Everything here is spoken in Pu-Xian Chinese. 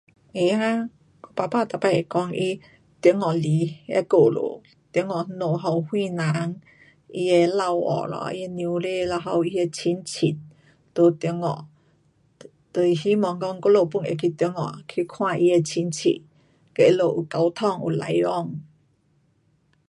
会啊，爸爸每次会讲他中国来的故事。中国那家还有谁人，他的父亲咯他的母亲咯还有那亲戚在中国。就是希望讲我们 pun 会去中国，去看他的亲戚。跟他们有沟通，有来往。